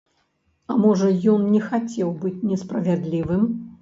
А можа, ён не хацеў быць несправядлівым.